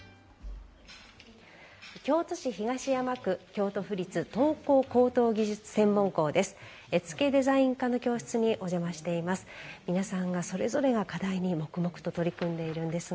京都市東山区京都府立陶工高等技術専門校です。